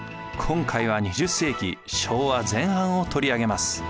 今回は２０世紀昭和前半を取り上げます。